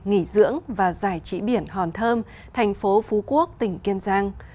nghỉ dưỡng và giải trí biển hòn thơm thành phố phú quốc tỉnh kiên giang